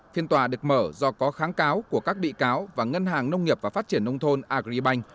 phiên tòa được mở do có kháng cáo của các bị cáo và ngân hàng nông nghiệp và phát triển nông thôn agribank